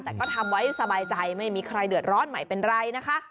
แต่ก็ทำไว้สบายใจไม่มีใครเดือดร้อนใหม่เป็นไรนะคะ